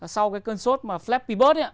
sau cái cơn sốt mà flappy bird ấy ạ